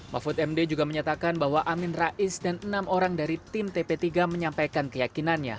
mahfud md juga menyatakan bahwa amin rais dan enam orang dari tim tp tiga menyampaikan keyakinannya